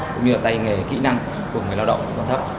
cũng như là tay nghề kỹ năng của người lao động còn thấp